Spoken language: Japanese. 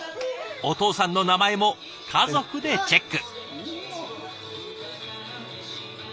お父さんの名前も家族でチェック。